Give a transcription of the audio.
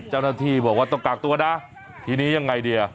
เจ้าหน้าที่บอกว่าต้องกากตัวนะทีนี้ยังไงดีอ่ะ